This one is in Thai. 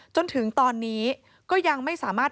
จนถึงตอนนี้ก็ยังไม่สามารถ